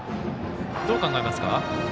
どう考えますか？